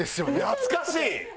懐かしい。